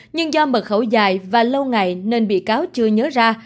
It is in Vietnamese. nhưng do mật khẩu dài và lâu ngày nên bị cáo chưa nhớ ra